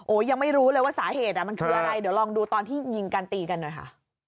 ยังไม่รู้เลยว่าสาเหตุมันคืออะไรเดี๋ยวลองดูตอนที่ยิงกันตีกันหน่อยค่ะ